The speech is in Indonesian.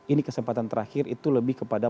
ini kesempatan terakhir itu lebih kepada